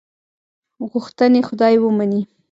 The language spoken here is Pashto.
غوښتنې خدای ومني.